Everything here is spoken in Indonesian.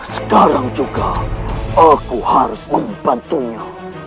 sekarang juga aku harus membantunya